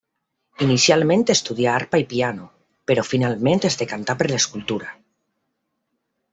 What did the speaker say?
Inicialment estudià arpa i piano, però finalment es decantà per l'escultura.